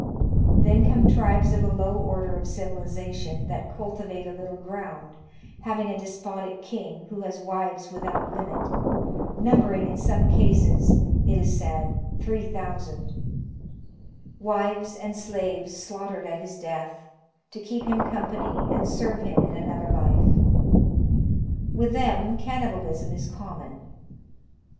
Then come tribes of a low order of civilization, that cultivate a little ground, having a despotic king, who has wives without limit, numbering in some <3ases, it is said, 3,000 ; wives and slaves slaughtered at his death, to keep him company and serve him in another life. With them, cannibalism is common.